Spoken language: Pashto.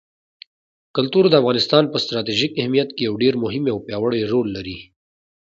کلتور د افغانستان په ستراتیژیک اهمیت کې یو ډېر مهم او پیاوړی رول لري.